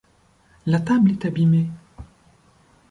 La table est abîmée.